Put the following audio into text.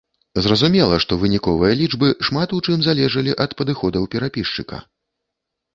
Зразумела, што выніковыя лічбы шмат у чым залежалі ад падыходаў перапісчыка.